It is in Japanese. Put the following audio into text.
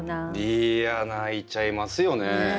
いや泣いちゃいますよね。